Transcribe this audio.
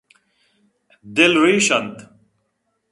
دلریش اَنت